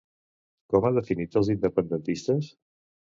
Com ha definit als independentistes?